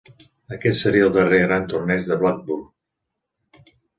Aquest seria el darrer gran torneig de Blackburne.